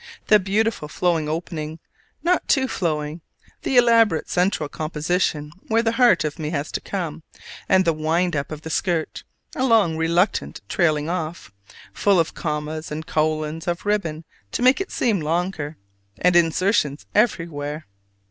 the beautiful flowing opening, not too flowing: the elaborate central composition where the heart of me has to come, and the wind up of the skirt, a long reluctant tailing off, full of commas and colons of ribbon to make it seem longer, and insertions everywhere.